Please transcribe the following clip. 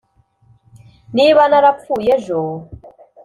niba narapfuye ejo